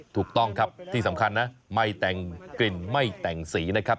ถูกต้องครับที่สำคัญนะไม่แต่งกลิ่นไม่แต่งสีนะครับ